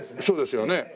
そうですよね。